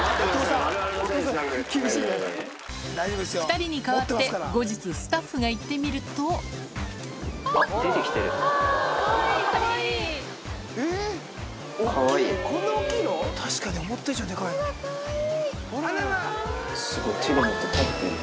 ２人に代わって後日スタッフが行ってみるとすごい手で持って食べてる。